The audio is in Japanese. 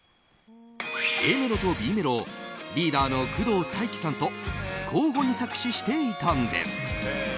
ＡメロとＢメロをリーダーの工藤大輝さんと交互に作詞していたんです。